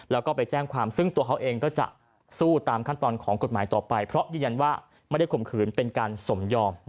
แล้วก็ไปแจ้งความซึ่งตัวเขาเองก็จะสู้ตามขั้นตอนของกฎหมายต่อไปเพราะยืนยันว่าไม่ได้ข่มขืนเป็นการสมยอม